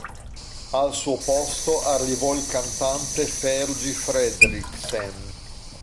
Al suo posto arrivò il cantante Fergie Frederiksen.